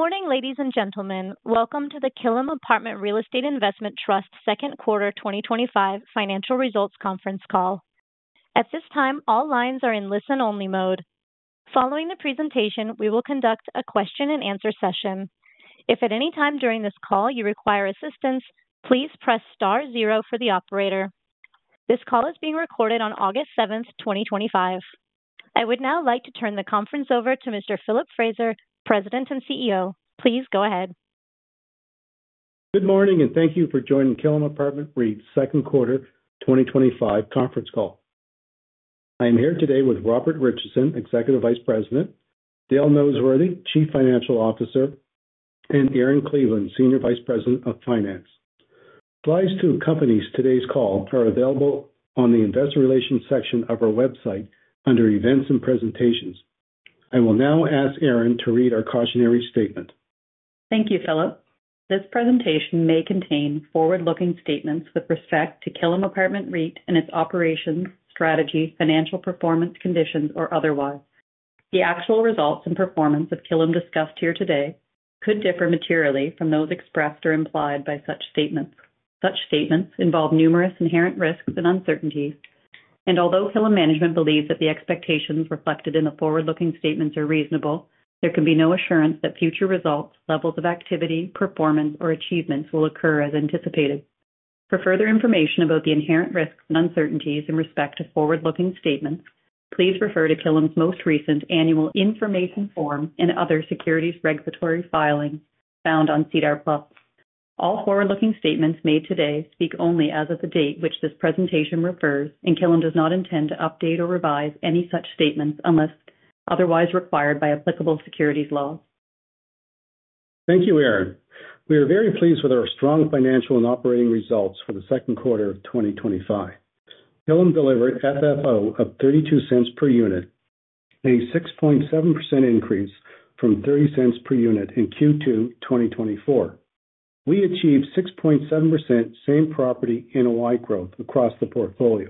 Good morning, ladies and gentlemen. Welcome to the Killam Apartment REIT Second Quarter 2025 Financial Results Conference Call. At this time, all lines are in listen-only mode. Following the presentation, we will conduct a question-and-answer session. If at any time during this call you require assistance, please press star zero for the operator. This call is being recorded on August 7, 2025. I would now like to turn the conference over to Mr. Philip Fraser, President and CEO. Please go ahead. Good morning and thank you for joining Killam Apartment REIT Second Quarter 2025 Conference Call. I am here today with Robert Richardson, Executive Vice President, Dale Noseworthy, Chief Financial Officer, and Erin Cleveland, Senior Vice President Finance. Slides to accompany today's call are available on the Investor Relations section of our website under Events and Presentations. I will now ask Erin to read our cautionary statement. Thank you, Philip. This presentation may contain forward-looking statements with respect to Killam Apartment REIT and its operations, strategy, financial performance, conditions, or otherwise. The actual results and performance of Killam discussed here today could differ materially from those expressed or implied by such statements. Such statements involve numerous inherent risks and uncertainties, and although Killam management believes that the expectations reflected in the forward-looking statements are reasonable, there can be no assurance that future results, levels of activity, performance, or achievements will occur as anticipated. For further information about the inherent risks and uncertainties in respect to forward-looking statements, please refer to Killam's most recent annual information form and other securities regulatory filings found on CEDAR Plus. All forward-looking statements made today speak only as of the date which this presentation refers, and Killam does not intend to update or revise any such statements unless otherwise required by applicable securities laws. Thank you, Erin. We are very pleased with our strong financial and operating results for the second quarter of 2025. Killam delivered FFO of $0.32 per unit, a 6.7% increase from $0.30 per unit in Q2 2024. We achieved 6.7% same property NOI growth across the portfolio,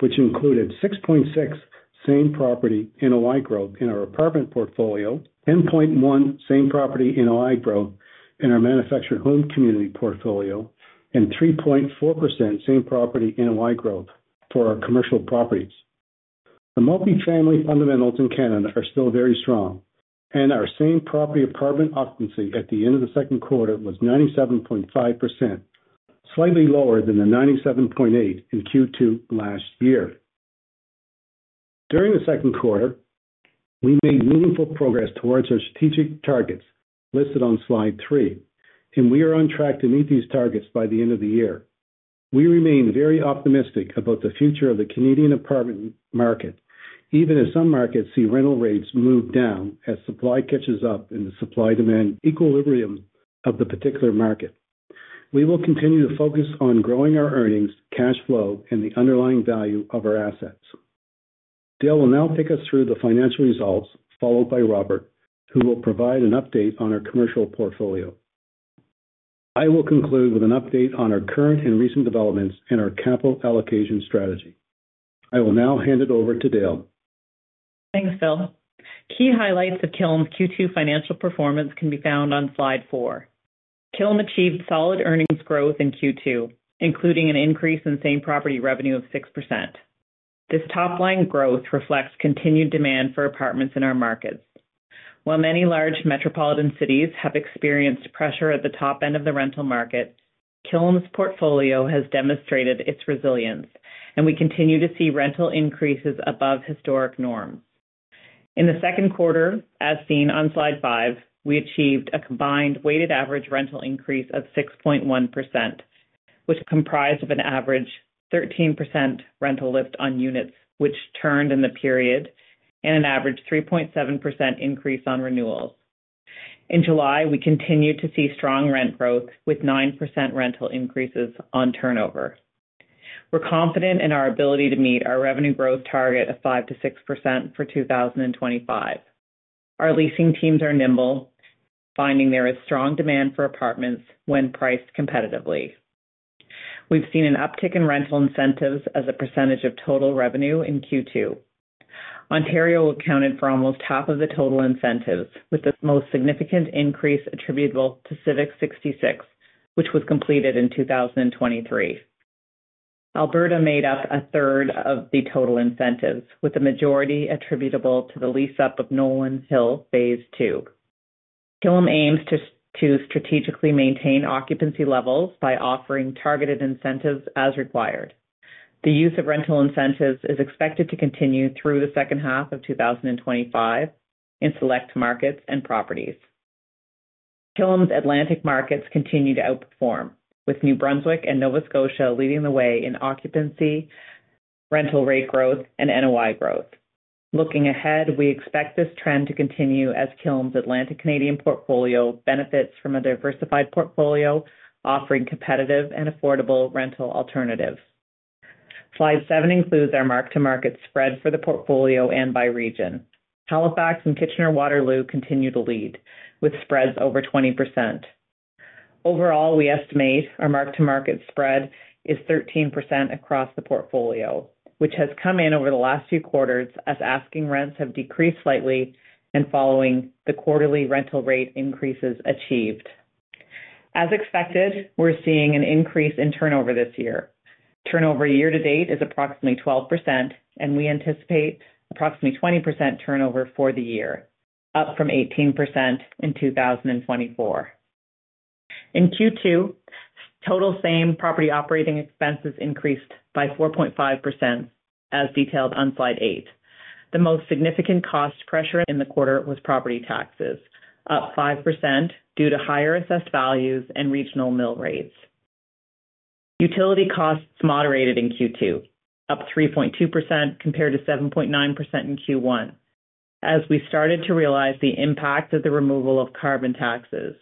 which included 6.6% same property NOI growth in our apartment portfolio, 10.1% same property NOI growth in our manufactured home community portfolio, and 3.4% same property NOI growth for our commercial properties. The multifamily fundamentals in Canada are still very strong, and our same property apartment occupancy at the end of the second quarter was 97.5%, slightly lower than the 97.8% in Q2 last year. During the second quarter, we made meaningful progress towards our strategic targets listed on slide three, and we are on track to meet these targets by the end of the year. We remain very optimistic about the future of the Canadian apartment market, even as some markets see rental rates move down as supply catches up in the supply-demand equilibrium of the particular market. We will continue to focus on growing our earnings, cash flow, and the underlying value of our assets. Dale will now take us through the financial results, followed by Robert, who will provide an update on our commercial portfolio. I will conclude with an update on our current and recent developments in our capital allocation strategy. I will now hand it over to Dale. Thanks, Philip. Key highlights of Killam's Q2 financial performance can be found on slide four. Killam achieved solid earnings growth in Q2, including an increase in same property revenue of 6%. This top-line growth reflects continued demand for apartments in our markets. While many large metropolitan cities have experienced pressure at the top end of the rental market, Killam's portfolio has demonstrated its resilience, and we continue to see rental increases above historic norms. In the second quarter, as seen on slide five, we achieved a combined weighted average rental increase of 6.1%, which comprised an average 13% rental lift on units which turned in the period, and an average 3.7% increase on renewals. In July, we continued to see strong rent growth with 9% rental increases on turnover. We're confident in our ability to meet our revenue growth target of 5% to 6% for 2025. Our leasing teams are nimble, finding there is strong demand for apartments when priced competitively. We've seen an uptick in rental incentives as a percentage of total revenue in Q2. Ontario accounted for almost half of the total incentives, with the most significant increase attributable to Civic 66, which was completed in 2023. Alberta made up a third of the total incentives, with the majority attributable to the lease-up of Nolan Hill Phase Two. Killam aims to strategically maintain occupancy levels by offering targeted incentives as required. The use of rental incentives is expected to continue through the second half of 2025 in select markets and properties. Killam's Atlantic markets continue to outperform, with New Brunswick and Nova Scotia leading the way in occupancy, rental rate growth, and NOI growth. Looking ahead, we expect this trend to continue as Killam's Atlantic Canadian portfolio benefits from a diversified portfolio offering competitive and affordable rental alternatives. Slide seven includes our mark-to-market spread for the portfolio and by region. Halifax and Kitchener-Waterloo continue to lead, with spreads over 20%. Overall, we estimate our mark-to-market spread is 13% across the portfolio, which has come in over the last few quarters as asking rents have decreased slightly and following the quarterly rental rate increases achieved. As expected, we're seeing an increase in turnover this year. Turnover year to date is approximately 12%, and we anticipate approximately 20% turnover for the year, up from 18% in 2024. In Q2, total same property operating expenses increased by 4.5%, as detailed on slide eight. The most significant cost pressure in the quarter was property taxes, up 5% due to higher assessed values and regional mill rates. Utility costs moderated in Q2, up 3.2% compared to 7.9% in Q1, as we started to realize the impact of the removal of carbon taxes,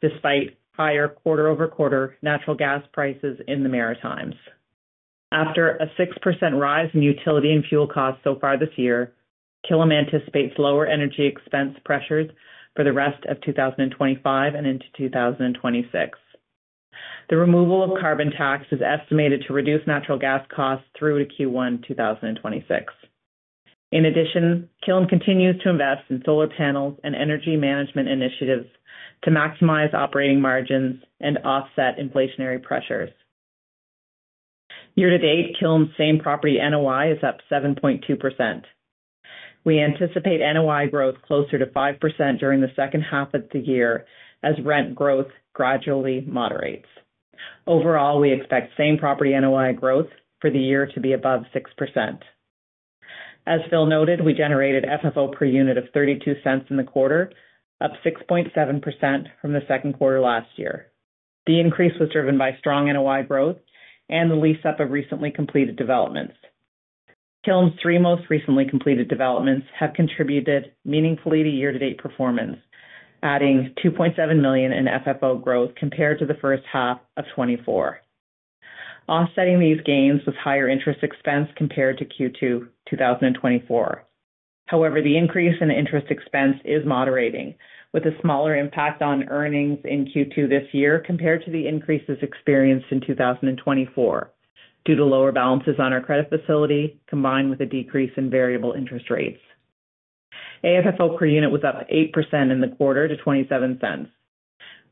despite higher quarter-over-quarter natural gas prices in the Maritimes. After a 6% rise in utility and fuel costs so far this year, Killam anticipates lower energy expense pressures for the rest of 2025 and into 2026. The removal of carbon tax is estimated to reduce natural gas costs through to Q1 2026. In addition, Killam continues to invest in solar panels and energy management initiatives to maximize operating margins and offset inflationary pressures. Year to date, Killam's same property NOI is up 7.2%. We anticipate NOI growth closer to 5% during the second half of the year as rent growth gradually moderates. Overall, we expect same property NOI growth for the year to be above 6%. As Phil noted, we generated FFO per unit of $0.32 in the quarter, up 6.7% from the second quarter last year. The increase was driven by strong NOI growth and the lease-up of recently completed developments. Killam's three most recently completed developments have contributed meaningfully to year-to-date performance, adding $2.7 million in FFO growth compared to the first half of 2024. Offsetting these gains was higher interest expense compared to Q2 2024. However, the increase in interest expense is moderating, with a smaller impact on earnings in Q2 this year compared to the increases experienced in 2024 due to lower balances on our credit facility, combined with a decrease in variable interest rates. AFFO per unit was up 8% in the quarter to $0.27.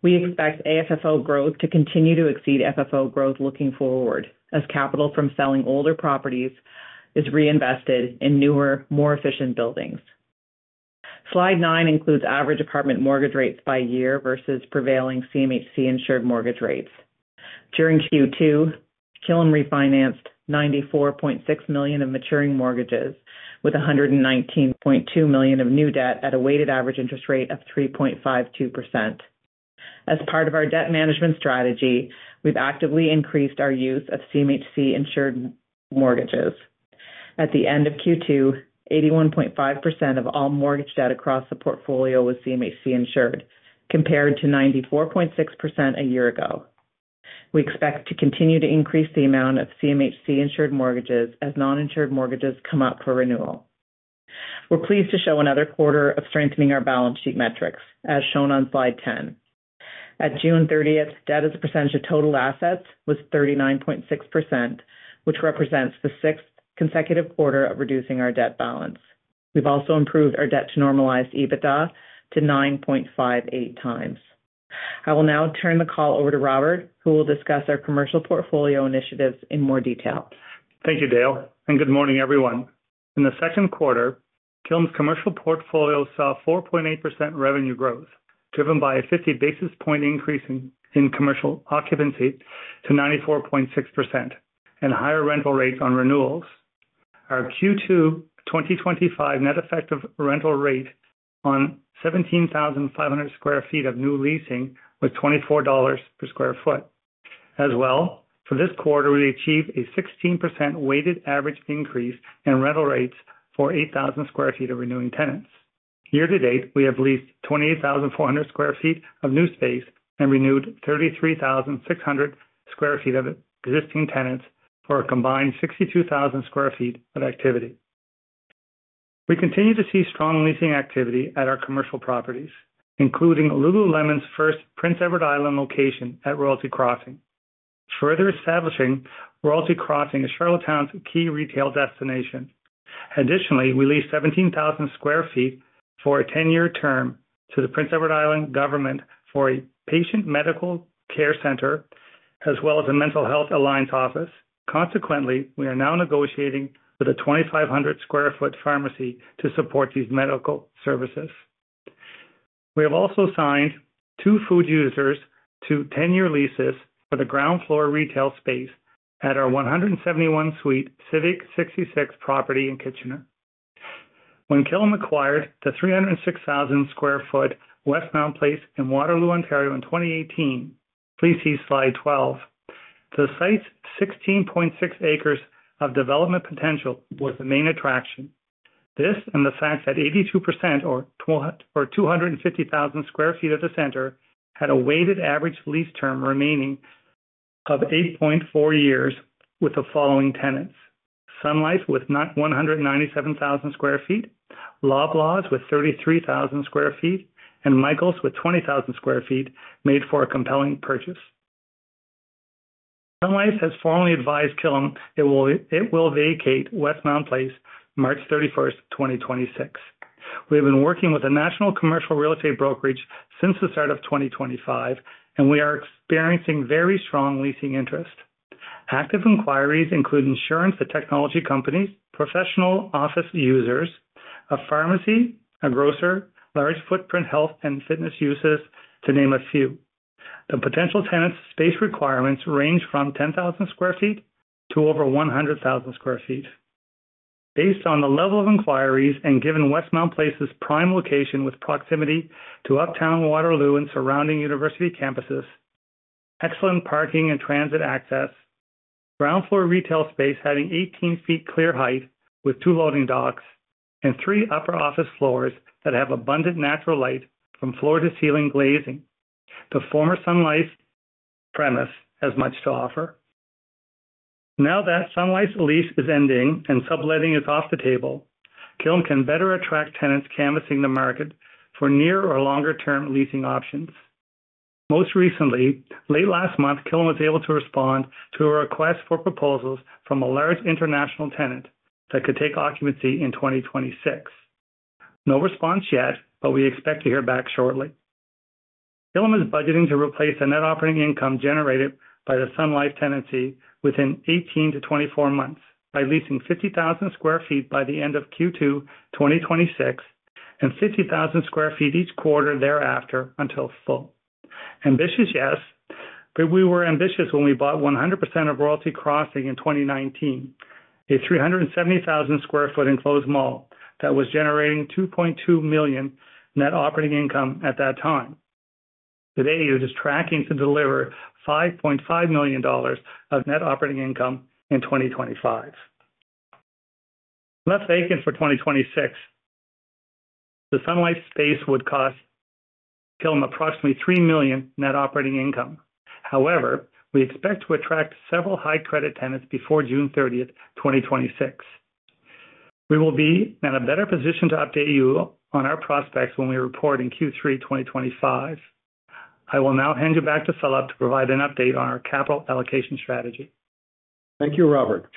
We expect AFFO growth to continue to exceed FFO growth looking forward as capital from selling older properties is reinvested in newer, more efficient buildings. Slide nine includes average apartment mortgage rates by year versus prevailing CMHC insured mortgage rates. During Q2, Killam refinanced $94.6 million in maturing mortgages, with $119.2 million of new debt at a weighted average interest rate of 3.52%. As part of our debt management strategy, we've actively increased our use of CMHC insured mortgages. At the end of Q2, 81.5% of all mortgage debt across the portfolio was CMHC insured, compared to 94.6% a year ago. We expect to continue to increase the amount of CMHC insured mortgages as non-insured mortgages come up for renewal. We're pleased to show another quarter of strengthening our balance sheet metrics, as shown on slide 10. At June 30, debt as a percentage of total assets was 39.6%, which represents the sixth consecutive quarter of reducing our debt balance. We've also improved our debt-to-normalized EBITDA to 9.58 times. I will now turn the call over to Robert, who will discuss our commercial portfolio initiatives in more detail. Thank you, Dale, and good morning, everyone. In the second quarter, Killam's commercial portfolio saw 4.8% revenue growth, driven by a 50 basis point increase in commercial occupancy to 94.6% and higher rental rates on renewals. Our Q2 2025 net effective rental rate on 17,500 square feet of new leasing was $24 per square foot. As well, for this quarter, we achieved a 16% weighted average increase in rental rates for 8,000 square feet of renewing tenants. Year to date, we have leased 28,400 square feet of new space and renewed 33,600 square feet of existing tenants for a combined 62,000 square feet of activity. We continue to see strong leasing activity at our commercial properties, including Lululemon's first Prince Edward Island location at Royalty Crossing, further establishing Royalty Crossing as Charlottetown's key retail destination. Additionally, we leased 17,000 square feet for a 10-year term to the Prince Edward Island government for a patient medical care center, as well as a mental health alliance office. Consequently, we are now negotiating with a 2,500 square foot pharmacy to support these medical services. We have also signed two food users to 10-year leases for the ground floor retail space at our 171 suite Civic 66 property in Kitchener. When Killam acquired the 306,000 square foot Westmount Place in Waterloo, Ontario, in 2018, please see slide 12. The site's 16.6 acres of development potential was the main attraction. This and the fact that 82% or 250,000 square feet of the center had a weighted average lease term remaining of 8.4 years with the following tenants: Sun Life with 197,000 square feet, Loblaws with 33,000 square feet, and Michaels with 20,000 square feet made for a compelling purchase. Sun Life has formally advised Killam it will vacate Westmount Place March 31, 2026. We have been working with a national commercial real estate brokerage since the start of 2025, and we are experiencing very strong leasing interest. Active inquiries include insurance, the technology companies, professional office users, a pharmacy, a grocer, large footprint health and fitness uses, to name a few. The potential tenants' space requirements range from 10,000 square feet to over 100,000 square feet. Based on the level of inquiries and given Westmount Place's prime location with proximity to Uptown Waterloo and surrounding university campuses, excellent parking and transit access, ground floor retail space having 18 feet clear height with two loading docks and three upper office floors that have abundant natural light from floor to ceiling glazing, the former Sun Life premise has much to offer. Now that Sun Life's lease is ending and subletting is off the table, Killam can better attract tenants canvassing the market for near or longer-term leasing options. Most recently, late last month, Killam was able to respond to a request for proposals from a large international tenant that could take occupancy in 2026. No response yet, but we expect to hear back shortly. Killam is budgeting to replace the net operating income generated by the Sun Life tenancy within 18 to 24 months by leasing 50,000 square feet by the end of Q2 2026 and 50,000 square feet each quarter thereafter until full. Ambitious? Yes, but we were ambitious when we bought 100% of Royalty Crossing in 2019, a 370,000 square foot enclosed mall that was generating $2.2 million net operating income at that time. Today, it is tracking to deliver $5.5 million of net operating income in 2025. Let's vacant for 2026. The Sun Life space would cost Killam approximately $3 million net operating income. However, we expect to attract several high-credit tenants before June 30, 2026. We will be in a better position to update you on our prospects when we report in Q3 2025. I will now hand you back to Philip to provide an update on our capital allocation strategy. Thank you, Robert.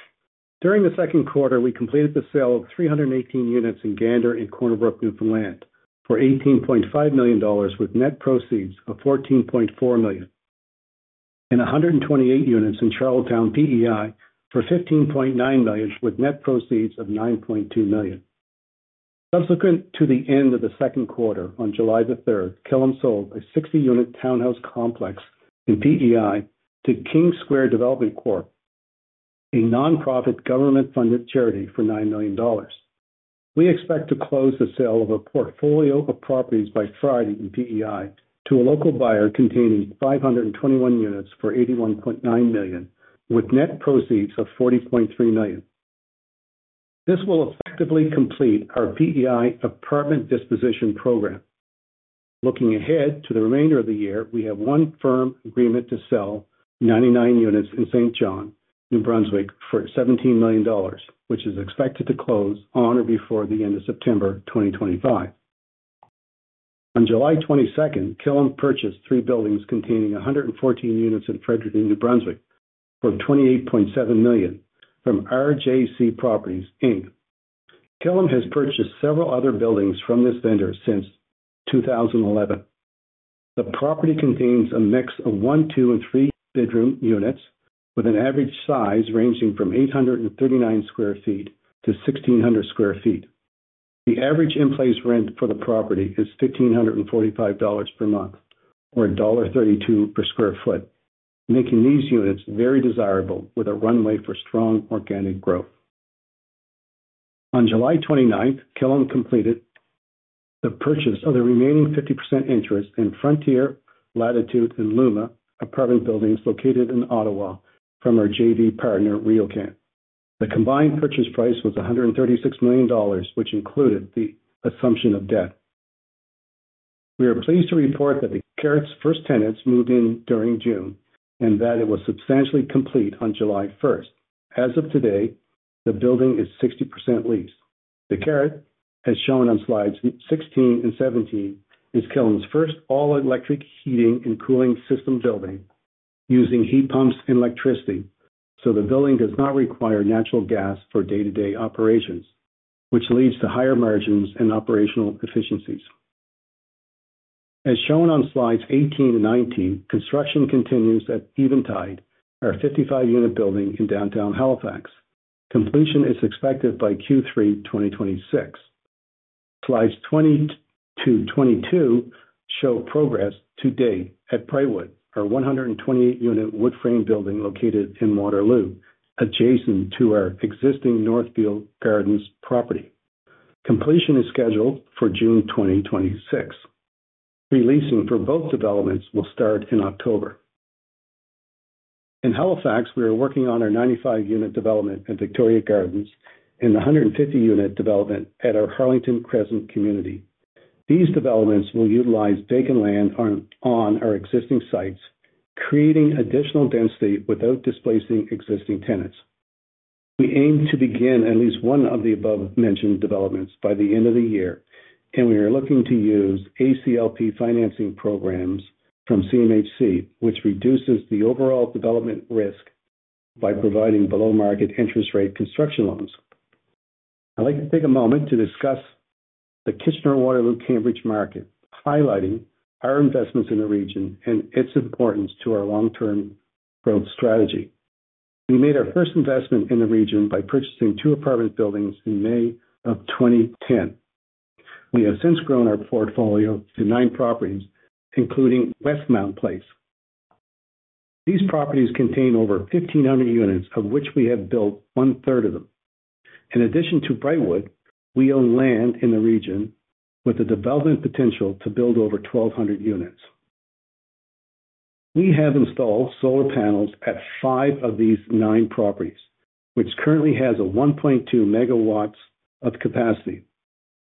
During the second quarter, we completed the sale of 318 units in Gander and Corner Brook, Newfoundland for $18.5 million with net proceeds of $14.4 million and 128 units in Charlottetown, PEI for $15.9 million with net proceeds of $9.2 million. Subsequent to the end of the second quarter, on July 3, Killam sold a 60-unit townhouse complex in PEI to King Square Development Corp, a nonprofit government-funded charity, for $9 million. We expect to close the sale of a portfolio of properties by Friday in PEI to a local buyer containing 521 units for $81.9 million with net proceeds of $40.3 million. This will effectively complete our PEI apartment disposition program. Looking ahead to the remainder of the year, we have one firm agreement to sell 99 units in St. John, New Brunswick for $17 million, which is expected to close on or before the end of September 2025. On July 22, Killam purchased three buildings containing 114 units in Fredericton, New Brunswick for $28.7 million from RJC Properties, Inc. Killam has purchased several other buildings from this vendor since 2011. The property contains a mix of one, two, and three-bedroom units with an average size ranging from 839 square feet to 1,600 square feet. The average in-place rent for the property is $1,545 per month or $1.32 per square foot, making these units very desirable with a runway for strong organic growth. On July 29, Killam completed the purchase of the remaining 50% interest in Frontier, Latitude, and Luma apartment buildings located in Ottawa from our JV partner, RealCamp. The combined purchase price was $136 million, which included the assumption of debt. We are pleased to report that The Carrick's first tenants moved in during June and that it was substantially complete on July 1. As of today, the building is 60% leased. The Carrick, as shown on slides 16 and 17, is Killam's first all-electric heating and cooling system building using heat pumps and electricity, so the building does not require natural gas for day-to-day operations, which leads to higher margins and operational efficiencies. As shown on slides 18 and 19, construction continues at Eventide, our 55-unit building in downtown Halifax. Completion is expected by Q3 2026. Slides 20 to 22 show progress to date at Praywood [Plywood], our 120-unit wood frame building located in Waterloo, adjacent to our existing Northfield Gardens property. Completion is scheduled for June 2026. Releasing for both developments will start in October. In Halifax, we are working on our 95-unit development at Victoria Gardens and the 150-unit development at our Harlington Crescent community. These developments will utilize vacant land on our existing sites, creating additional density without displacing existing tenants. We aim to begin at least one of the above-mentioned developments by the end of the year, and we are looking to use ACLP financing programs from CMHC, which reduces the overall development risk by providing below-market interest rate construction loans. I'd like to take a moment to discuss the Kitchener-Waterloo Cambridge market, highlighting our investments in the region and its importance to our long-term growth strategy. We made our first investment in the region by purchasing two apartment buildings in May of 2010. We have since grown our portfolio to nine properties, including Westmount Place. These properties contain over 1,500 units, of which we have built one-third of them. In addition to Praywood [Plywood], we own land in the region with a development potential to build over 1,200 units. We have installed solar panels at five of these nine properties, which currently have 1.2 megawatts of capacity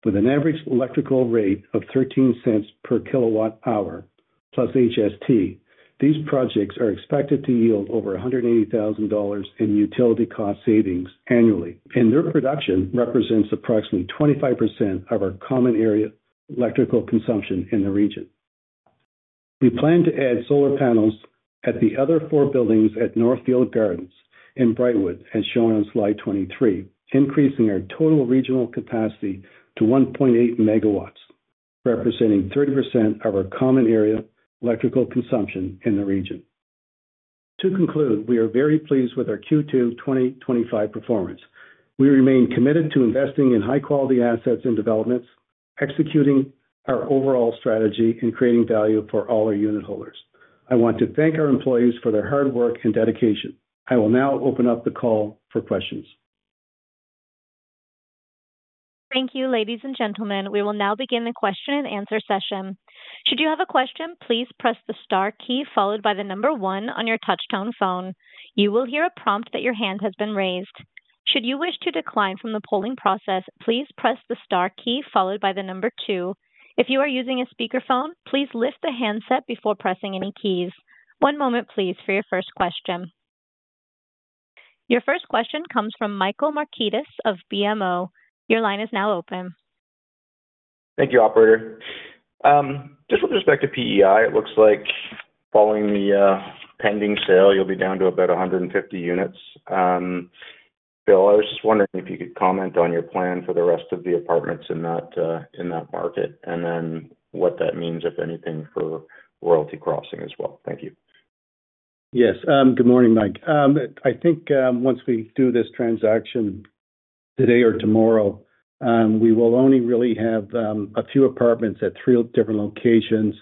with an average electrical rate of $0.13 per kilowatt hour plus HST. These projects are expected to yield over $180,000 in utility cost savings annually, and their production represents approximately 25% of our common area electrical consumption in the region. We plan to add solar panels at the other four buildings at Northfield Gardens and Praywood [Plywood], as shown on slide 23, increasing our total regional capacity to 1.8 megawatts, representing 30% of our common area electrical consumption in the region. To conclude, we are very pleased with our Q2 2025 performance. We remain committed to investing in high-quality assets and developments, executing our overall strategy, and creating value for all our unitholders. I want to thank our employees for their hard work and dedication. I will now open up the call for questions. Thank you, ladies and gentlemen. We will now begin the question-and-answer session. Should you have a question, please press the star key followed by the number one on your touch-tone phone. You will hear a prompt that your hand has been raised. Should you wish to decline from the polling process, please press the star key followed by the number two. If you are using a speakerphone, please lift the handset before pressing any keys. One moment, please, for your first question. Your first question comes from Michael Markidis of BMO Capital Markets. Your line is now open. Thank you, operator. Just with respect to PEI, it looks like following the pending sale, you'll be down to about 150 units. Bill, I was just wondering if you could comment on your plan for the rest of the apartments in that market and then what that means, if anything, for Royalty Crossing as well. Thank you. Yes, good morning, Mike. I think once we do this transaction today or tomorrow, we will only really have a few apartments at three different locations,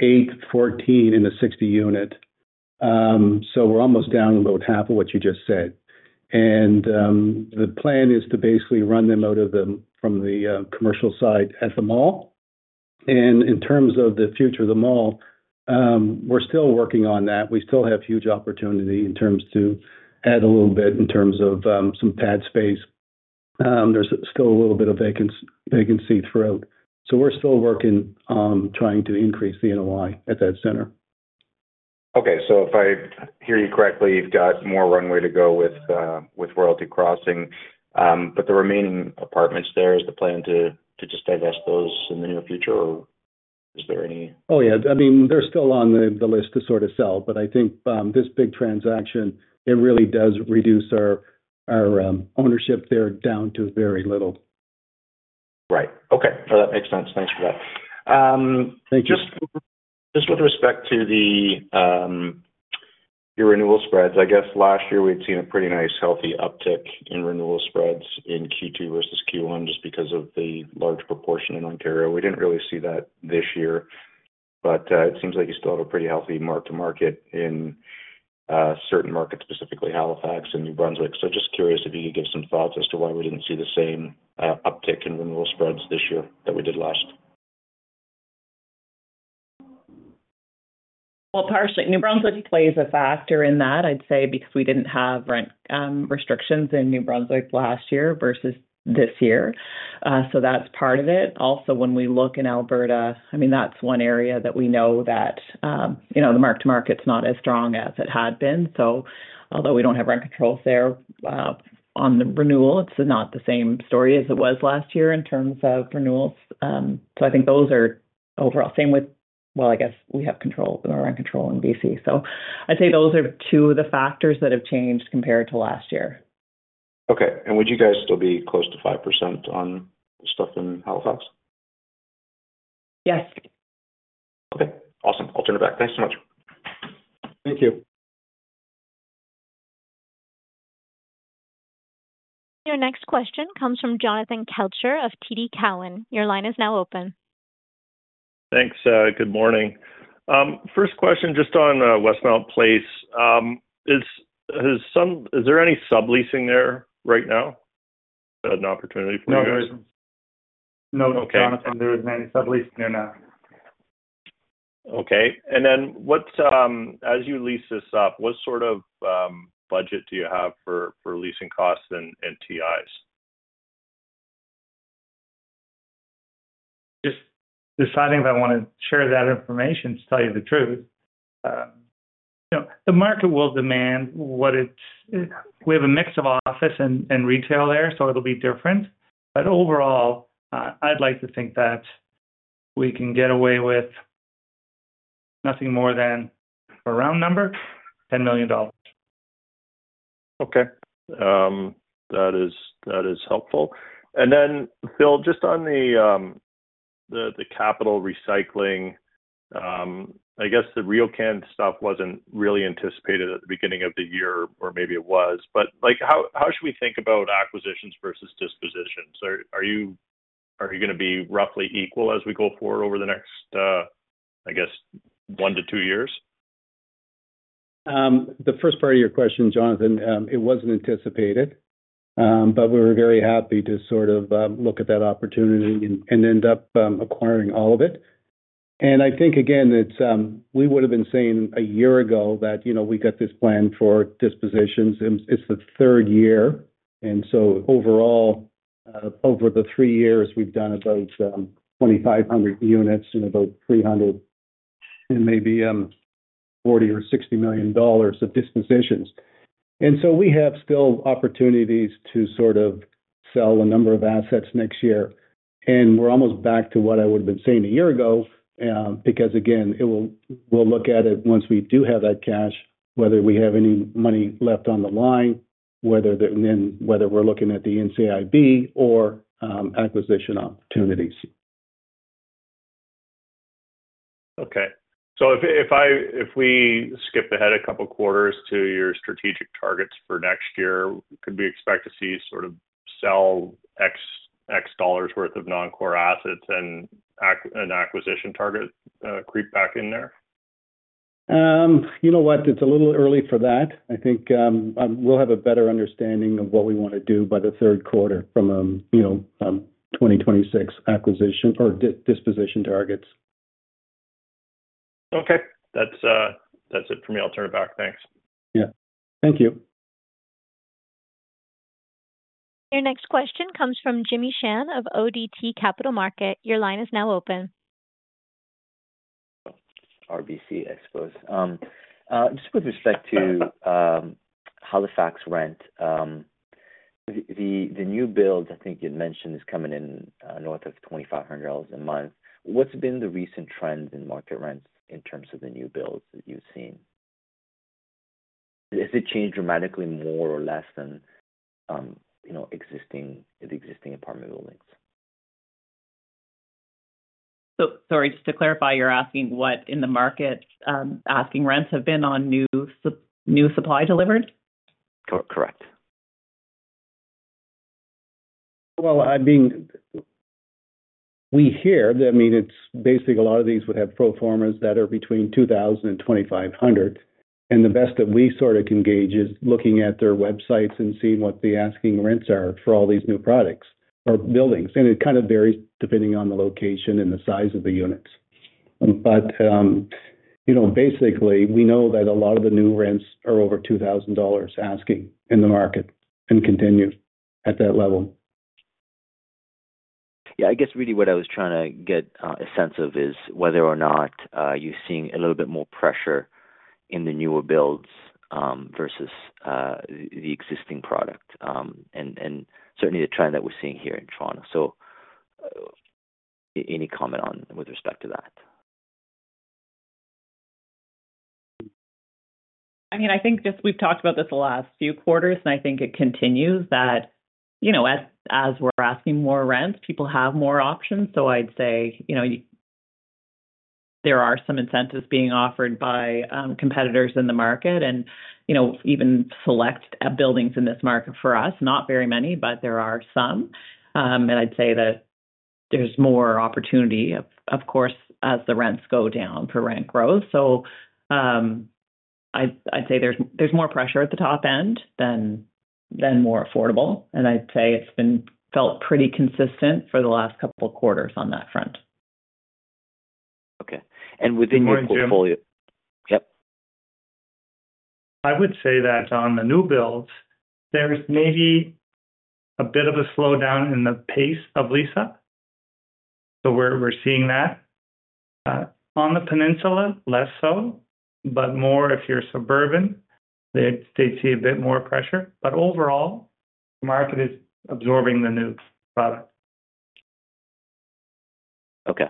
eight, fourteen, and the 60 unit. We're almost down about half of what you just said. The plan is to basically run them out of the commercial side at the mall. In terms of the future of the mall, we're still working on that. We still have huge opportunity to add a little bit in terms of some pad space. There's still a little bit of vacancy throughout. We're still working on trying to increase the NOI at that center. Okay, so if I hear you correctly, you've got more runway to go with Royalty Crossing. The remaining apartments there, is the plan to just divest those in the near future, or is there any? Yeah, I mean, they're still on the list to sort of sell, but I think this big transaction really does reduce our ownership there down to very little. Right. Okay. That makes sense. Thanks for that. Just with respect to your renewal spreads, I guess last year we saw a pretty nice healthy uptick in renewal spreads in Q2 versus Q1 because of the large proportion in Ontario. We didn't really see that this year, but it seems like you still had a pretty healthy mark-to-market in certain markets, specifically Halifax and New Brunswick. Just curious if you could give some thoughts as to why we didn't see the same uptick in renewal spreads this year that we did last. New Brunswick plays a factor in that, I'd say, because we didn't have rent restrictions in New Brunswick last year versus this year. That's part of it. Also, when we look in Alberta, that's one area that we know the mark-to-market's not as strong as it had been. Although we don't have rent controls there, on the renewal, it's not the same story as it was last year in terms of renewals. I think those are overall same with, I guess we have rent control in BC. I'd say those are two of the factors that have changed compared to last year. Would you guys still be close to 5% on stuff in Halifax? Yes. Okay. Awesome. I'll turn it back. Thanks so much. Thank you. Your next question comes from Jonathan Kelcher of TD Cowen. Your line is now open. Thanks. Good morning. First question just on Westmount Place. Is there any subleasing there right now? Is that an opportunity for you guys? No, there isn't. No, Jonathan, there isn't any subleasing there now. Okay. As you lease this up, what sort of budget do you have for leasing costs and TIs? Just deciding if I want to share that information, to tell you the truth. You know, the market will demand what it's, we have a mix of office and retail there, so it'll be different. Overall, I'd like to think that we can get away with nothing more than, for a round number, $10 million. Okay, that is helpful. Phil, just on the capital recycling, I guess the RealCamp stuff wasn't really anticipated at the beginning of the year, or maybe it was, but how should we think about acquisitions versus dispositions? Are you going to be roughly equal as we go forward over the next, I guess, one to two years? The first part of your question, Jonathan, it wasn't anticipated. We were very happy to sort of look at that opportunity and end up acquiring all of it. I think, again, we would have been saying a year ago that, you know, we got this plan for dispositions, and it's the third year. Overall, over the three years, we've done about 2,500 units and about $340 million or $360 million of dispositions. We have still opportunities to sort of sell a number of assets next year. We're almost back to what I would have been saying a year ago, because, again, we'll look at it once we do have that cash, whether we have any money left on the line, whether that, and then whether we're looking at the NCIB or acquisition opportunities. If we skip ahead a couple quarters to your strategic targets for next year, could we expect to see sort of sell X dollars' worth of non-core assets and acquisition targets creep back in there? You know what? It's a little early for that. I think we'll have a better understanding of what we want to do by the third quarter from 2026 acquisition or disposition targets. Okay, that's it for me. I'll turn it back. Thanks. Yeah, thank you. Your next question comes from Jimmy Shan of ODT Capital Markets. Your line is now open. RBC, I suppose. Just with respect to Halifax rent, the new build, I think you'd mentioned, is coming in north of $2,500 a month. What's been the recent trend in market rents in terms of the new build that you've seen? Has it changed dramatically more or less than, you know, the existing apartment buildings? Just to clarify, you're asking what in the market, asking rents have been on new new supply delivered? Correct. I mean, it's basically a lot of these would have pro formas that are between $2,000 and $2,500. The best that we sort of can gauge is looking at their websites and seeing what the asking rents are for all these new products or buildings. It kind of varies depending on the location and the size of the units. You know, basically, we know that a lot of the new rents are over $2,000 asking in the market and continue at that level. I guess what I was trying to get a sense of is whether or not you're seeing a little bit more pressure in the newer builds versus the existing product, and certainly the trend that we're seeing here in Toronto. Any comment with respect to that? I mean, I think just we've talked about this the last few quarters, and I think it continues that, you know, as we're asking more rents, people have more options. I'd say there are some incentives being offered by competitors in the market and, you know, even select buildings in this market for us. Not very many, but there are some. I'd say that there's more opportunity, of course, as the rents go down for rent growth. I'd say there's more pressure at the top end than more affordable. I'd say it's been felt pretty consistent for the last couple of quarters on that front. Okay. Within your portfolio? Yep. I would say that on the new builds, there's maybe a bit of a slowdown in the pace of lease-up. We're seeing that. On the peninsula, less so, but more if you're suburban, you'd see a bit more pressure. Overall, the market is absorbing the new product. Okay.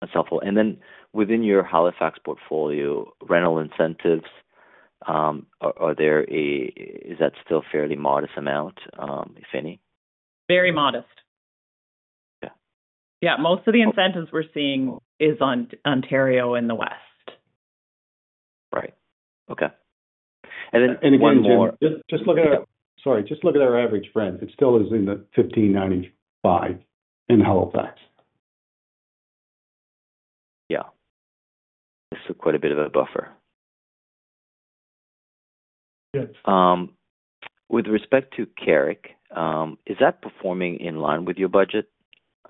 That's helpful. Within your Halifax portfolio, rental incentives, is that still a fairly modest amount, if any? Very modest. Okay. Yeah, most of the incentives we're seeing are in Ontario and the West. Right. Okay, going to. Just look at our average rent. It still is in the $1,595 in Halifax. Yeah, this is quite a bit of a buffer. Yes. With respect to The Carrick, is that performing in line with your budget?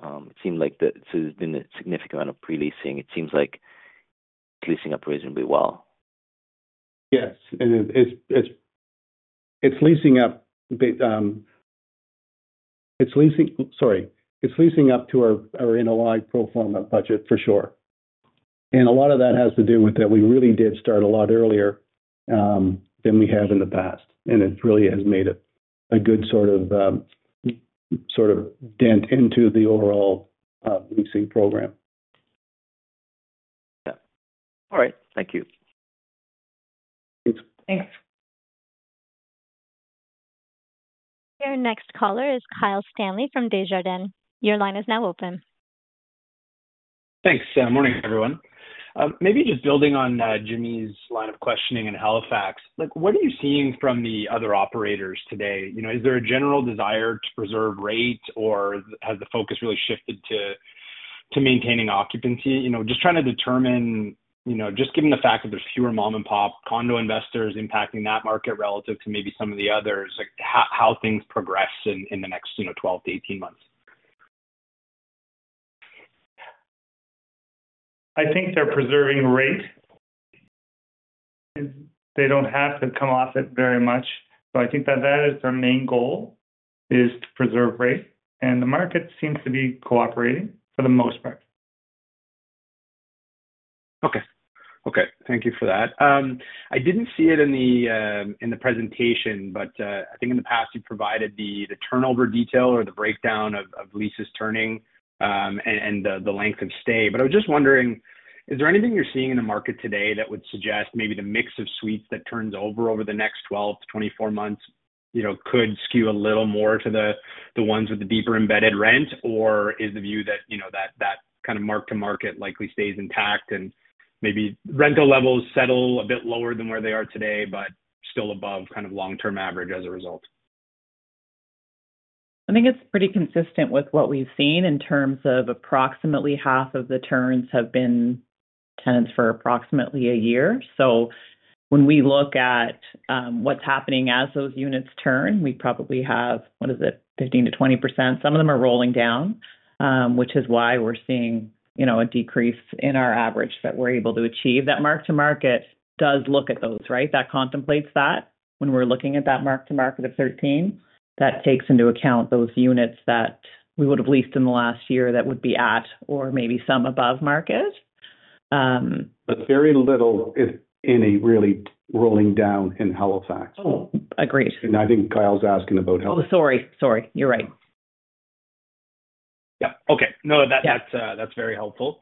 It seemed like that, so there's been a significant amount of pre-leasing. It seems like it's leasing up reasonably well. Yes. It's leasing up to our NOI pro forma budget for sure. A lot of that has to do with that we really did start a lot earlier than we have in the past. It really has made a good sort of dent into the overall leasing program. All right. Thank you. Thanks. Thanks. Our next caller is Kyle Stanley from Desjardins Group. Your line is now open. Thanks. Morning, everyone. Maybe just building on Jimmy's line of questioning in Halifax, what are you seeing from the other operators today? Is there a general desire to preserve rate, or has the focus really shifted to maintaining occupancy? Just trying to determine, given the fact that there's fewer mom-and-pop condo investors impacting that market relative to maybe some of the others, how things progress in the next 12 to 18 months? I think they're preserving rate. They don't have to come off it very much. I think that that is their main goal, to preserve rate. The market seems to be cooperating for the most part. Thank you for that. I didn't see it in the presentation, but I think in the past you provided the turnover detail or the breakdown of leases turning, and the length of stay. I was just wondering, is there anything you're seeing in the market today that would suggest maybe the mix of suites that turns over over the next 12 to 24 months could skew a little more to the ones with the deeper embedded rent, or is the view that kind of mark-to-market likely stays intact and maybe rental levels settle a bit lower than where they are today, but still above kind of long-term average as a result? I think it's pretty consistent with what we've seen in terms of approximately half of the turns have been tenants for approximately a year. When we look at what's happening as those units turn, we probably have, what is it, 15% to 20%. Some of them are rolling down, which is why we're seeing a decrease in our average that we're able to achieve. That mark-to-market does look at those, right? That contemplates that when we're looking at that mark-to-market of 13%. That takes into account those units that we would have leased in the last year that would be at or maybe some above market. Very little, if any, really rolling down in Halifax. Agreed. I think Kyle's asking about. Oh, sorry. You're right. Yep. Okay. No, that's very helpful.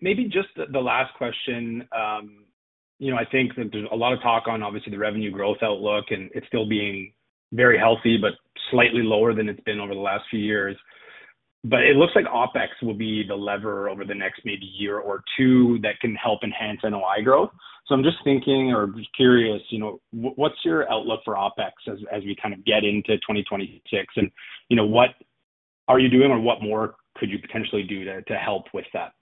Maybe just the last question. I think that there's a lot of talk on, obviously, the revenue growth outlook, and it's still being very healthy, but slightly lower than it's been over the last few years. It looks like OpEx will be the lever over the next maybe year or two that can help enhance NOI growth. I'm just thinking or curious, what's your outlook for OpEx as we kind of get into 2026? What are you doing or what more could you potentially do to help with that?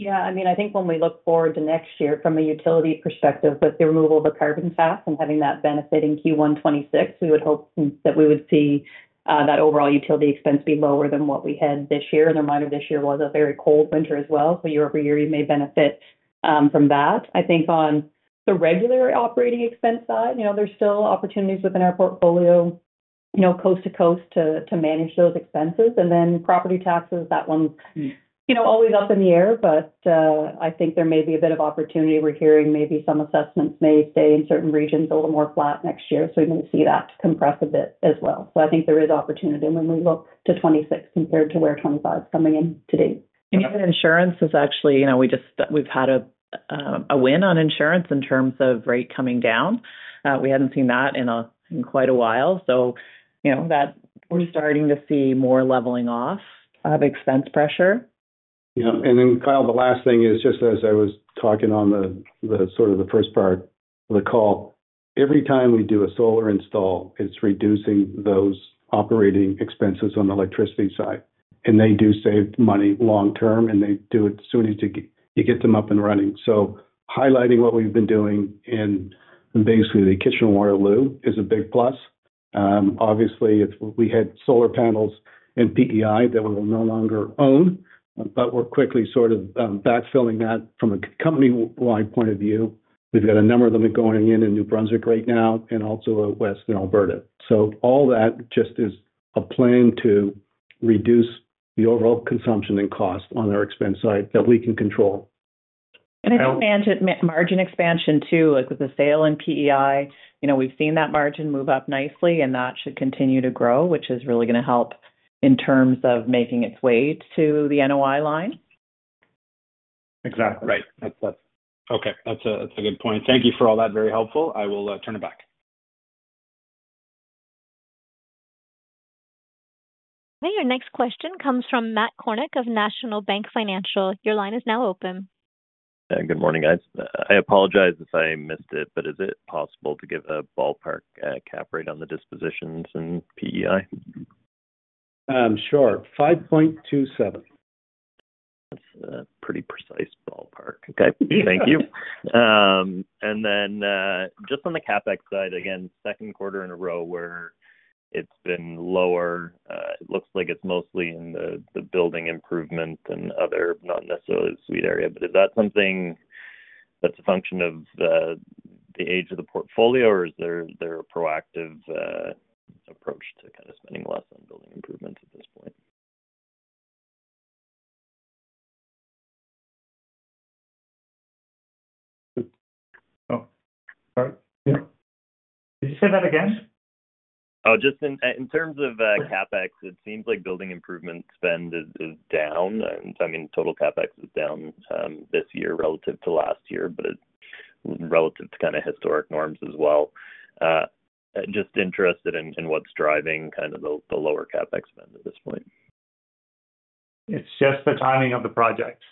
Yeah, I mean, I think when we look forward to next year from a utility perspective, with the removal of the carbon tax and having that benefit in Q1 2026, we would hope that we would see that overall utility expense be lower than what we had this year. Reminder, this year was a very cold winter as well, so year over year, you may benefit from that. I think on the regular operating expense side, there's still opportunities within our portfolio, coast to coast, to manage those expenses. Property taxes, that one's always up in the air, but I think there may be a bit of opportunity. We're hearing maybe some assessments may stay in certain regions a little more flat next year, so we may see that compress a bit as well. I think there is opportunity when we look to 2026 compared to where 2025 is coming in to date. Even insurance is actually, we've had a win on insurance in terms of rate coming down. We hadn't seen that in quite a while. We're starting to see more leveling off of expense pressure. Yeah. Kyle, the last thing is just as I was talking on the sort of the first part of the call, every time we do a solar install, it's reducing those operating expenses on the electricity side. They do save money long term, and they do it as soon as you get them up and running. Highlighting what we've been doing in basically the Kitchener-Waterloo is a big plus. Obviously, if we had solar panels in PEI, we will no longer own, but we're quickly sort of batch filling that from a company-wide point of view. We've got a number of them going in in New Brunswick right now and also out west in Alberta. All that just is a plan to reduce the overall consumption and cost on our expense side that we can control. Margin expansion too, like with the sale in Prince Edward Island, we've seen that margin move up nicely, and that should continue to grow, which is really going to help in terms of making its way to the NOI line. Exactly. Right. Okay, that's a good point. Thank you for all that. Very helpful. I will turn it back. Now your next question comes from Matt Kornack of National Bank Financial. Your line is now open. Good morning, guys. I apologize if I missed it, but is it possible to give a ballpark cap rate on the dispositions in PEI? Sure. 5.27. That's a pretty precise ballpark. Okay. Thank you. Just on the CapEx side, again, second quarter in a row where it's been lower, it looks like it's mostly in the building improvement and other, not necessarily the suite area, but is that something that's a function of the age of the portfolio, or is there a proactive approach to kind of spending less on building improvements at this point? All right. Yeah. Did you say that again? Oh, just in terms of CapEx, it seems like building improvement spend is down. I mean, total CapEx is down this year relative to last year, but it's relative to kind of historic norms as well. Just interested in what's driving kind of the lower CapEx spend at this point. It's just the timing of the project.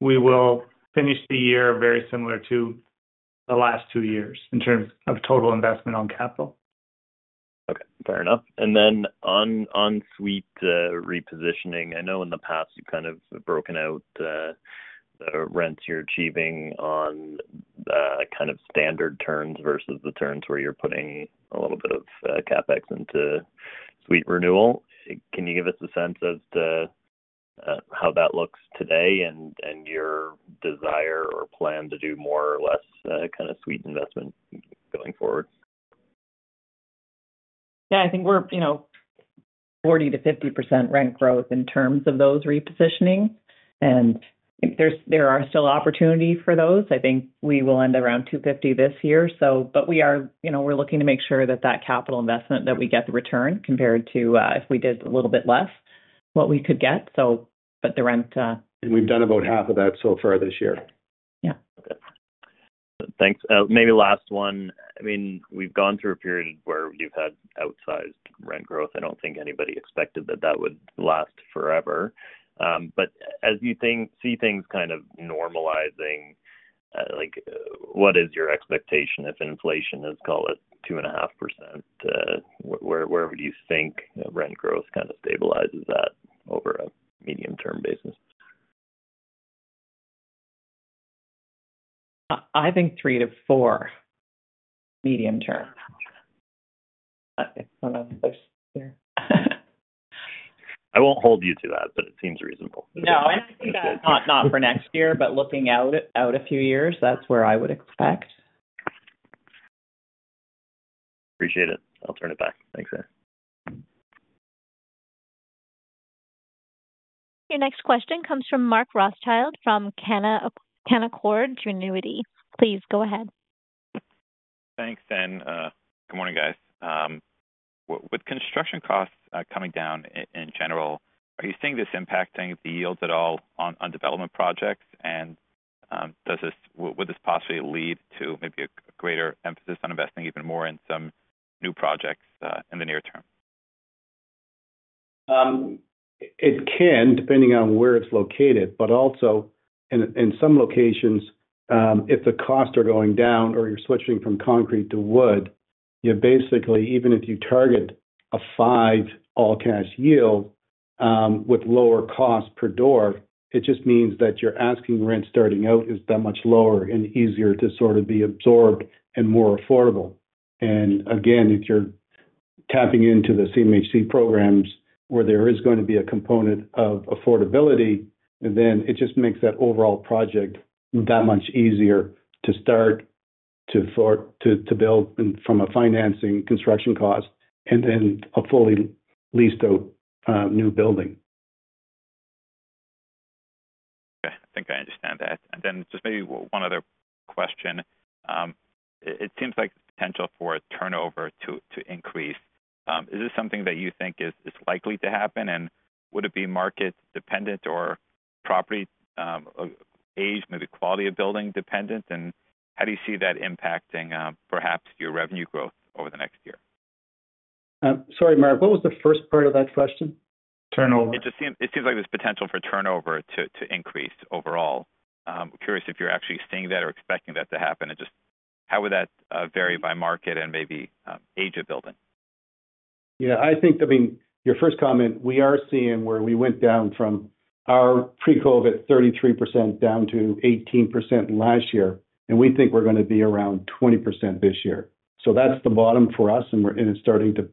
We will finish the year very similar to the last two years in terms of total investment on capital. Fair enough. On suite repositioning, I know in the past you've kind of broken out the rents you're achieving on the kind of standard turns versus the turns where you're putting a little bit of CapEx into suite renewal. Can you give us a sense as to how that looks today and your desire or plan to do more or less kind of suite investment going forward? Yeah, I think we're, you know, 40 to 50% rent growth in terms of those repositioning. There are still opportunities for those. I think we will end around 250 this year. We are, you know, we're looking to make sure that capital investment, that we get the return compared to if we did a little bit less, what we could get. The rent. We have done about half of that so far this year. Yeah. Okay. Thanks. Maybe last one. I mean, we've gone through a period where you've had outsized rent growth. I don't think anybody expected that that would last forever. As you see things kind of normalizing, what is your expectation if inflation is, call it, 2.5%? Where would you think rent growth kind of stabilizes at over a medium-term basis? I think three to four medium term. I won't hold you to that, but it seems reasonable. No, I think that not for next year, but looking out a few years, that's where I would expect. Appreciate it. I'll turn it back. Thanks, Anne. Your next question comes from Mark Rothschild from Canaccord Genuity. Please go ahead. Thanks, Anne. Good morning, guys. With construction costs coming down in general, are you seeing this impacting the yields at all on development projects? Does this, would this possibly lead to maybe a greater emphasis on investing even more in some new projects in the near term? It can, depending on where it's located, but also in some locations, if the costs are going down or you're switching from concrete to wood, you know, basically, even if you target a 5% all-cash yield with lower costs per door, it just means that your asking rent starting out is that much lower and easier to sort of be absorbed and more affordable. If you're tapping into the CMHC programs where there is going to be a component of affordability, then it just makes that overall project that much easier to start to build from a financing construction cost and then a fully leased-out new building. Okay. I think I understand that. Maybe one other question. It seems like the potential for turnover to increase. Is this something that you think is likely to happen? Would it be market-dependent or property age, maybe quality of building dependent? How do you see that impacting perhaps your revenue growth over the next year? Sorry, Mark, what was the first part of that question? Turnover. It just seems like there's potential for turnover to increase overall. I'm curious if you're actually seeing that or expecting that to happen. How would that vary by market and maybe age of building? Yeah, I think, I mean, your first comment, we are seeing where we went down from our pre-COVID 33% down to 18% last year. We think we're going to be around 20% this year. That's the bottom for us, and it's starting to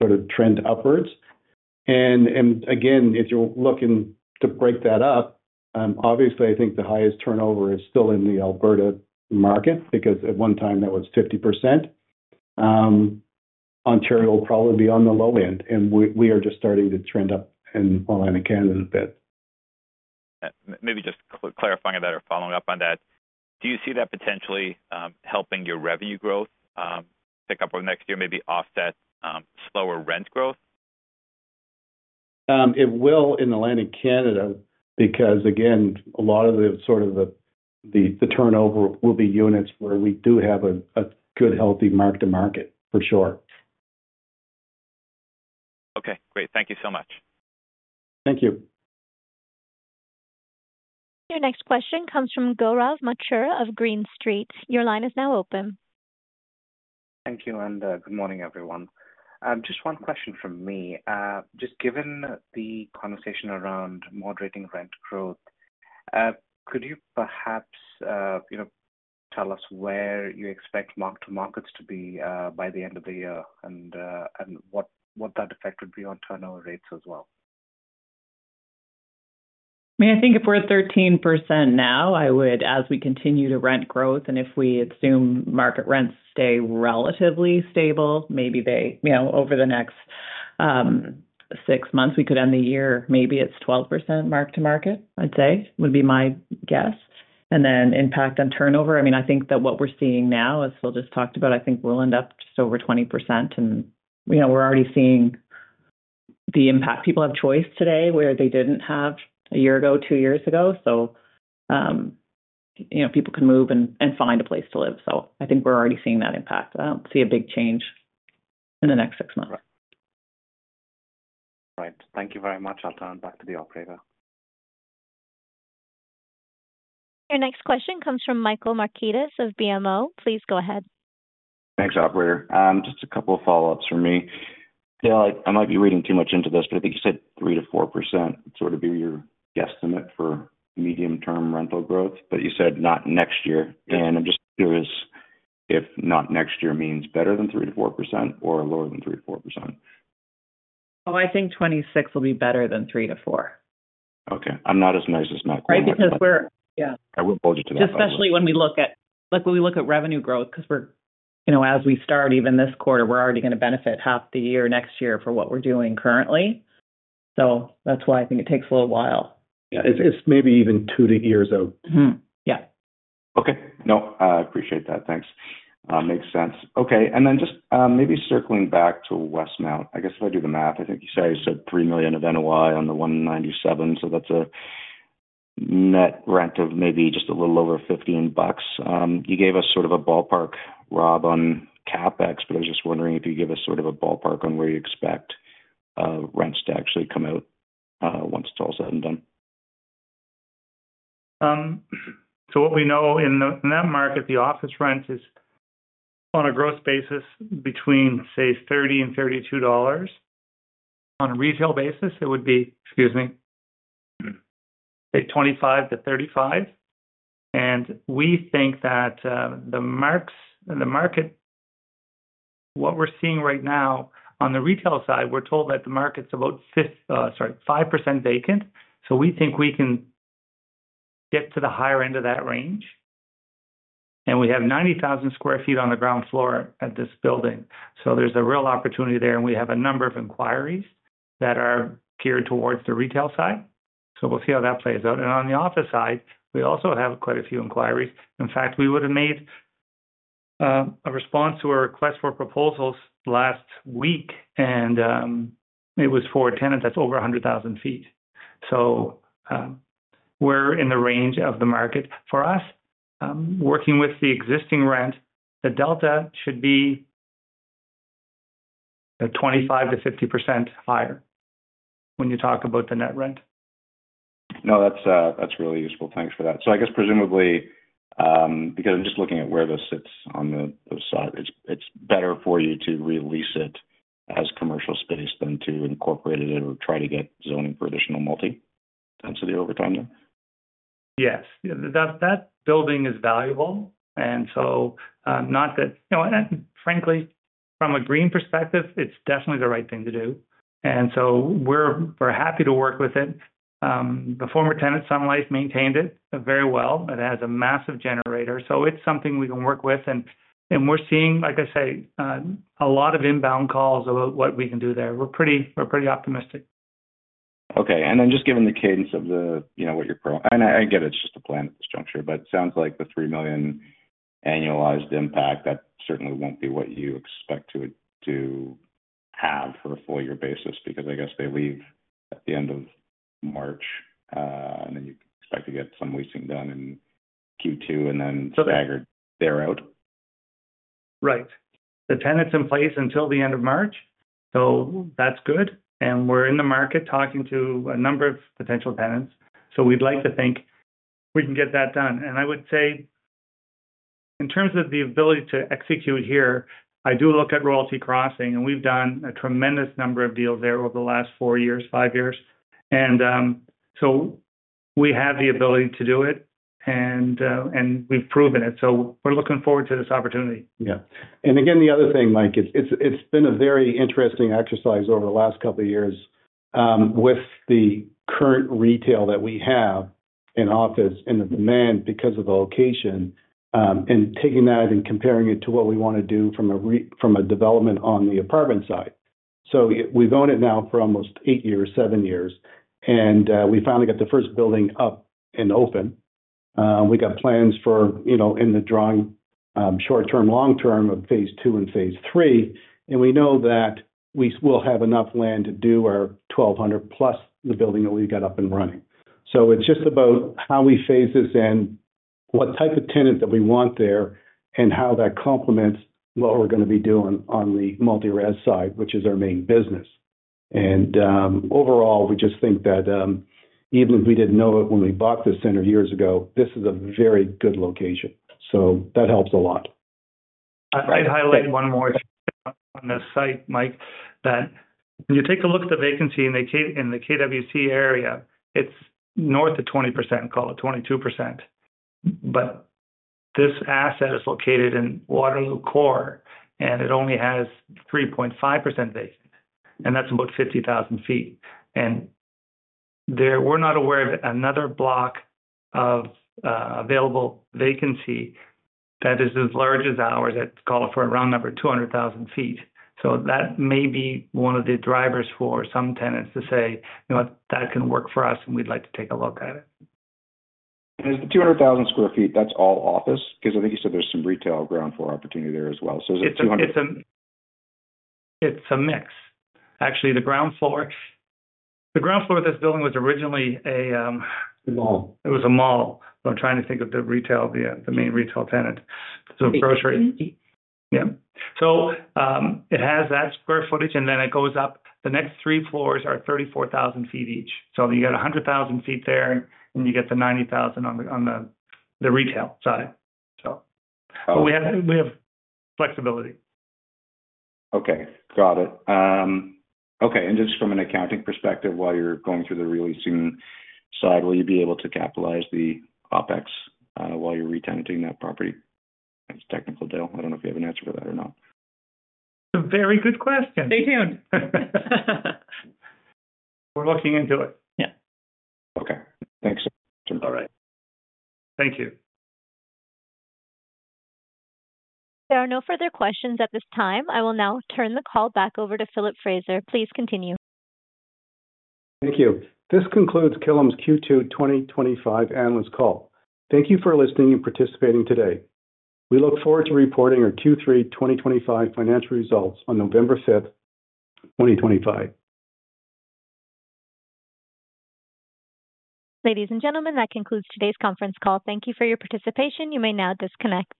sort of trend upwards. If you're looking to break that up, obviously, I think the highest turnover is still in the Alberta market because at one time that was 50%. Ontario will probably be on the low end, and we are just starting to trend up in Canada a bit. Maybe just clarifying that or following up on that, do you see that potentially helping your revenue growth pick up over the next year, maybe offset slower rent growth? It will land in Canada because, again, a lot of the turnover will be units where we do have a good, healthy mark-to-market for sure. Okay, great. Thank you so much. Thank you. Your next question comes from Gorav Machur of Green Street. Your line is now open. Thank you, and good morning, everyone. Just one question from me. Given the conversation around moderating rent growth, could you perhaps tell us where you expect mark-to-markets to be by the end of the year and what that effect would be on turnover rates as well? I mean, I think if we're 13% now, I would, as we continue to rent growth and if we assume market rents stay relatively stable, maybe they, you know, over the next six months, we could end the year, maybe it's 12% mark-to-market, I'd say, would be my guess. The impact on turnover, I mean, I think that what we're seeing now, as Phil just talked about, I think we'll end up just over 20%. You know, we're already seeing the impact. People have choice today where they didn't have a year ago, two years ago. You know, people can move and find a place to live. I think we're already seeing that impact. I don't see a big change in the next six months. Right. Thank you very much. I'll turn it back to the operator. Your next question comes from Michael Markidis of BMO Capital Markets. Please go ahead. Thanks, operator. Just a couple of follow-ups from me. I might be reading too much into this, but I think you said 3% to 4%, sort of be your guesstimate for medium-term rental growth, but you said not next year. I'm just curious if not next year means better than 3% to 4% or lower than 3% to 4%. Oh, I think 26 will be better than three to four. Okay. I'm not as nice as Matt, right? Because we're, yeah. I won't budge you to that. Especially when we look at, like, when we look at revenue growth, because we're, you know, as we start even this quarter, we're already going to benefit half the year next year for what we're doing currently. That's why I think it takes a little while. Yeah, it's maybe even two to three years out. Yeah. Okay. No, I appreciate that. Thanks. Makes sense. Okay, just maybe circling back to Westmount, I guess if I do the math, I think you said $3 million of NOI on the 197. So that's a net rent of maybe just a little over $15. You gave us sort of a ballpark, Rob, on CapEx, but I was just wondering if you give us sort of a ballpark on where you expect rents to actually come out once it's all said and done. What we know in that market, the office rents are on a gross basis between, say, $30 and $32. On a retail basis, it would be, excuse me, $25 to $35. We think that the marks and the market, what we're seeing right now on the retail side, we're told that the market's about 5% vacant. We think we can get to the higher end of that range. We have 90,000 square feet on the ground floor at this building, so there's a real opportunity there. We have a number of inquiries that are geared towards the retail side. We'll see how that plays out. On the office side, we also have quite a few inquiries. In fact, we would have made a response to a request for proposals last week, and it was for a tenant that's over 100,000 feet. We're in the range of the market. For us, working with the existing rent, the delta should be 25% to 50% higher when you talk about the net rent. No, that's really useful. Thanks for that. I guess presumably, because I'm just looking at where this sits on the side, it's better for you to release it as commercial space than to incorporate it or try to get zoning for additional multi-density over time there. Yes, that building is valuable. Not that, you know, from a green perspective, it's definitely the right thing to do. We're happy to work with it. The former tenant, Sun Life, maintained it very well. It has a massive generator, so it's something we can work with. We're seeing, like I say, a lot of inbound calls about what we can do there. We're pretty optimistic. Okay. Given the cadence of what you're pro, and I get it, it's just a plan at this juncture, but it sounds like the $3 million annualized impact certainly won't be what you expect to have for a full-year basis because I guess they leave at the end of March. You expect to get some leasing done in Q2 and then staggered there out. Right. The tenant's in place until the end of March. That's good, and we're in the market talking to a number of potential tenants. We'd like to think we can get that done. I would say in terms of the ability to execute here, I do look at Royalty Crossing, and we've done a tremendous number of deals there over the last four years, five years. We have the ability to do it, and we've proven it. We're looking forward to this opportunity. Yeah. The other thing, Mike, it's been a very interesting exercise over the last couple of years, with the current retail that we have in office and the demand because of the location, and taking that and comparing it to what we want to do from a development on the apartment side. We've owned it now for almost eight years, seven years, and we finally got the first building up and open. We got plans for, you know, in the drawing, short term, long term of phase two and phase three. We know that we will have enough land to do our 1,200 plus the building that we've got up and running. It's just about how we phase this in, what type of tenants that we want there, and how that complements what we're going to be doing on the multi-res side, which is our main business. Overall, we just think that, even if we didn't know it when we bought this center years ago, this is a very good location. That helps a lot. I'd highlight one more thing on this site, Mike, that when you take a look at the vacancy in the KWC area, it's north of 20%, call it 22%. This asset is located in Waterloo Core, and it only has 3.5% vacancy. That's about 50,000 feet. We're not aware of another block of available vacancy that is as large as ours, call it for a round number, 200,000 feet. That may be one of the drivers for some tenants to say, you know what, that can work for us, and we'd like to take a look at it. Is the 200,000 square feet all office? I think you said there's some retail ground floor opportunity there as well. It's a mix. Actually, the ground floor of this building was originally a mall. It was a mall. I'm trying to think of the retail, the main retail tenant. Grocery, yeah. It has that square footage, and then it goes up. The next three floors are 34,000 feet each, so you got 100,000 feet there, and you get the 90,000 on the retail side. We have flexibility. Okay. Got it. Okay. And just from an accounting perspective, while you're going through the releasing side, will you be able to capitalize the OpEx while you're retenting that property? That's a technical deal. I don't know if you have an answer for that or not. Very good question. Stay tuned. We're looking into it. Yeah. Okay. Thanks. All right. Thank you. There are no further questions at this time. I will now turn the call back over to Philip Fraser. Please continue. Thank you. This concludes Killam Apartment REIT's Q2 2025 analyst call. Thank you for listening and participating today. We look forward to reporting our Q3 2025 financial results on November 5, 2025. Ladies and gentlemen, that concludes today's conference call. Thank you for your participation. You may now disconnect.